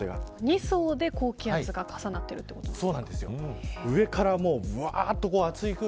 二層で高気圧が重なっているということですか。